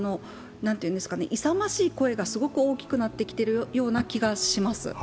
勇ましい声がすごく大きくなってきているような気がします。